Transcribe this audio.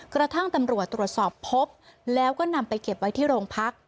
กระทั่งตำรวจตรวจสอบพบแล้วก็นำไปเก็บไว้ที่โรงพัก